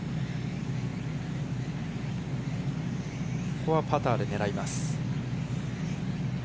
ここはパターで狙います。